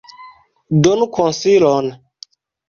Donu konsilon!